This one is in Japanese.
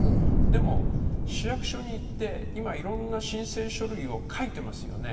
でも市役所に行って、今いろんな申請書類を書いてますよね。